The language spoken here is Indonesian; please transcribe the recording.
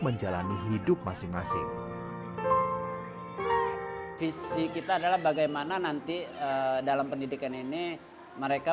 menjalani hidup masing masing visi kita adalah bagaimana nanti dalam pendidikan ini mereka